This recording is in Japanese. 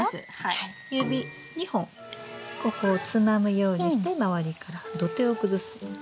指２本ここをつまむようにして周りから土手を崩す。